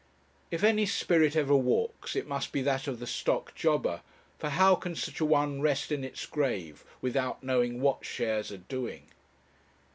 If any spirit ever walks it must be that of the stock jobber, for how can such a one rest in its grave without knowing what shares are doing?